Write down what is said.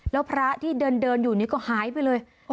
แล้วพระที่เดินอยู่นี่ก็หายไปเลย